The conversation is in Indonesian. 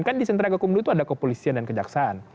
kan di sentraga kemudi itu ada kepolisian dan kejaksaan